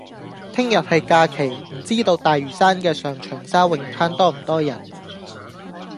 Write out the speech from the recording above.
聽日係假期，唔知道大嶼山嘅上長沙泳灘多唔多人？